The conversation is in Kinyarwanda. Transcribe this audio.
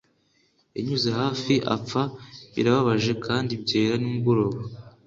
yanyuze hafi apfa, birababaje kandi byera, nimugoroba